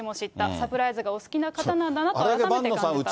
サプライズがお好きな方なんだと改めて感じた。